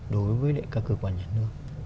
đối với các cơ quan nhà nước